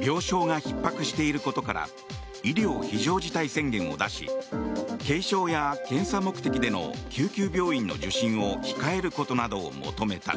病床がひっ迫していることから医療非常事態宣言を出し軽症や、検査目的での救急病院の受診を控えることなどを求めた。